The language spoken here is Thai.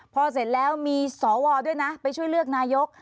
พอเสร็จแล้วมีสวด้วยนะไปช่วยเลือกนายก